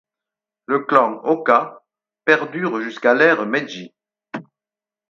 Le clan Oka perdure jusqu'à l'ère Meiji.